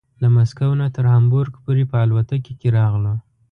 له مسکو نه تر هامبورګ پورې په الوتکه کې راغلو.